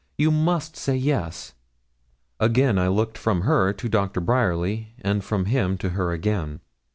You must say yes.' Again I looked from her to Doctor Bryerly, and from him to her again.